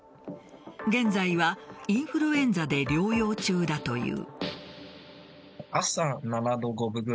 現在はインフルエンザで療養中だという。